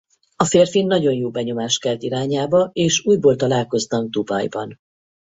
A férfi nagyon jó benyomást kelt irányába és újból találkoznak Dubajban.